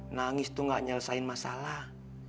nangis tuh gak nyelesain masalah